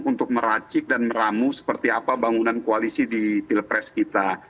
untuk meracik dan meramu seperti apa bangunan koalisi di pilpres kita